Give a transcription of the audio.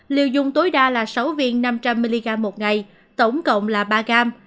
liều dùng tối đa là sáu viên năm trăm linh mg một ngày tổng cộng là ba gram